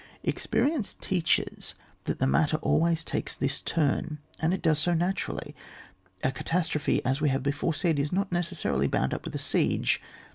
Experience teaches that the matter always takes this turn, and it does so naturally. A catastrophe, as we have before said, is not necessarily bound up with a siege.